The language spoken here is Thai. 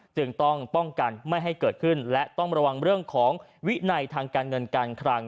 จึงต้องป้องกันไม่ให้เกิดขึ้นและต้องระวังเรื่องของวินัยทางการเงินการคลัง